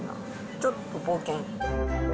ちょっと冒険。